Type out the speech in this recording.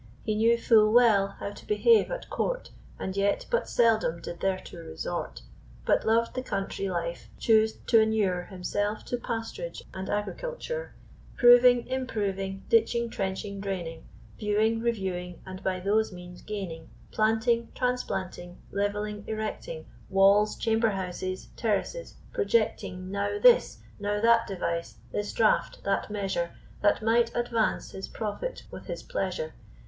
He knew full well how to behave at court, And yet but seldom did thereto resort; But lov'd the country life, choos'd to inure Himself to past'rage and agriculture; Proving, improving, ditching, trenching, draining, Viewing, reviewing, and by those means gaining; Planting, transplanting, levelling, erecting Walls, chambers, houses, terraces; projecting Now this, now that device, this draught, that measure, That might advance his profit with his pleasure.